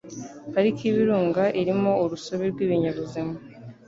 Pariki y'ibirunga irimo urusobe rw'ibinyabuzima